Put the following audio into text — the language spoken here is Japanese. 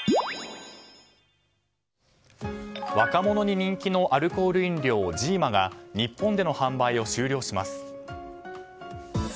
若者に人気のアルコール飲料ジーマが日本での販売を終了します。